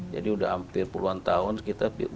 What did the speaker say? jadi udah hampir puluhan tahun kita berusaha